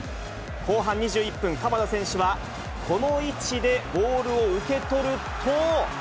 後半２１分、鎌田選手はこの位置でボールを受け取ると。